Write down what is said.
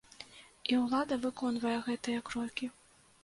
І ўлада выконвае гэтыя крокі.